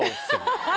アハハハ！